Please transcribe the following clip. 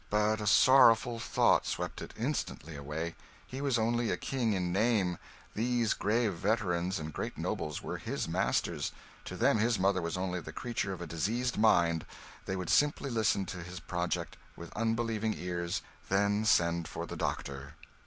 But a sorrowful thought swept it instantly away: he was only a king in name, these grave veterans and great nobles were his masters; to them his mother was only the creature of a diseased mind; they would simply listen to his project with unbelieving ears, then send for the doctor.